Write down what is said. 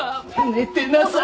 寝てなさい！